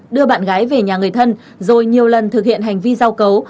đưa bạn gái về nhà người thân rồi nhiều lần thực hiện hành vi giao cấu